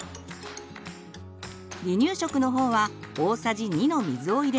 離乳食のほうは大さじ２の水を入れます。